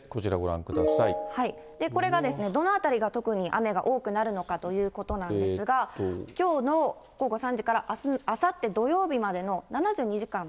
これがですね、どの辺りが特に雨が多くなるのかということなんですが、きょうの午後３時から、あさって土曜日までの７２時間。